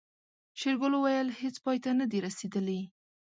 شېرګل وويل هيڅ پای ته نه دي رسېدلي.